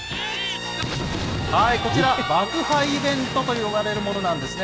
こちら、爆破イベントと呼ばれるものなんですね。